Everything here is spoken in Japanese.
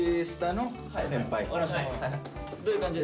どういう感じで？